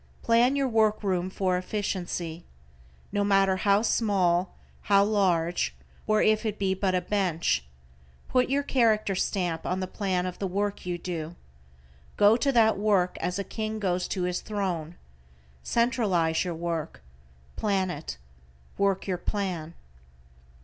Plan your workroom for efficiency. No matter how small, how large, or if it be but a bench. Put your character stamp on the plan of the work you do. Go to that work as a King goes to his throne. Centralize your work. Plan it. Work your plan.